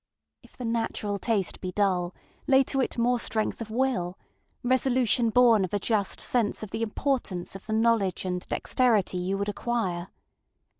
If the natural taste be dull, lay to it more strength of willŌĆöresolution born of a just sense of the importance of the knowledge and dexterity you would acquire.